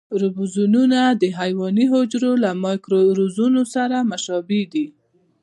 رایبوزومونه د حیواني حجرو له مایکروزومونو سره مشابه دي.